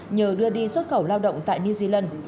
nhờ đưa đi xuất khẩu lao động tại new zealand